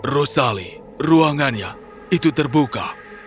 rosali ruangannya itu terbuka